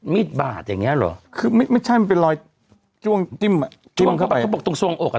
บาดอย่างเงี้เหรอคือไม่ใช่มันเป็นรอยจ้วงจิ้มอ่ะจ้วงเข้าไปเขาบอกตรงทรงอกอ่ะ